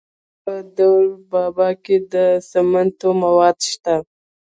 د ننګرهار په دور بابا کې د سمنټو مواد شته.